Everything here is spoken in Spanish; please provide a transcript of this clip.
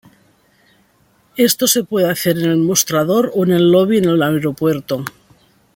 Esto se puede hacer en el mostrador o en el lobby en el aeropuerto.